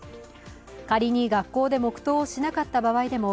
仮に学校で黙とうをしなかった場合でも